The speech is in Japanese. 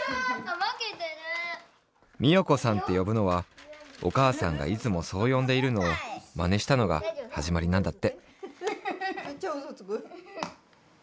美代子さんってよぶのはお母さんがいつもそうよんでいるのをまねしたのがはじまりなんだって。